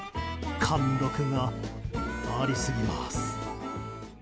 貫禄がありすぎます。